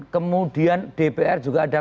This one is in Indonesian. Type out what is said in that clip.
kemudian dpr juga ada